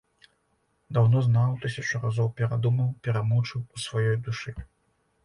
Даўно знаў, тысячу разоў перадумаў, перамучыў у сваёй душы.